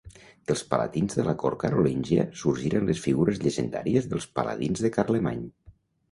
Dels palatins de la cort carolíngia sorgiren les figures llegendàries dels paladins de Carlemany.